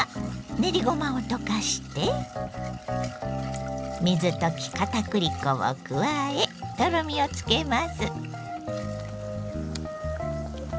練りごまを溶かして水溶きかたくり粉を加えとろみをつけます。